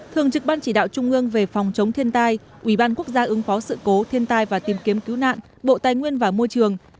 thường trực ban chỉ đạo trung ương về phòng chống thiên tai ubnd ứng phó sự cố thiên tai và tìm kiếm cứu nạn bộ tài nguyên và môi trường